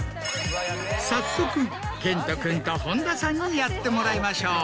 早速健人君と本田さんにやってもらいましょう。